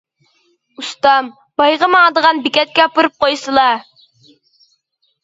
-ئۇستام بايغا ماڭىدىغان بېكەتكە ئاپىرىپ قويسىلا.